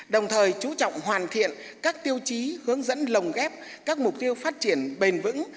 đồng thời chú trọng hoàn thiện các tiêu chí hướng dẫn lồng ghép các mục tiêu phát triển bền vững